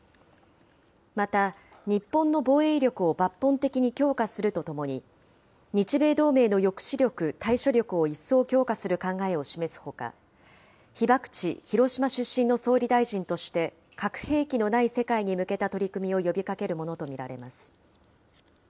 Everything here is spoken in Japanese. また、日本の防衛力を抜本的に強化するとともに、日米同盟の抑止力・対処力を一層強化する考えを示すほか、被爆地・広島出身の総理大臣として、核兵器のない世界に向けた取り組みを呼びかけるものと見られます。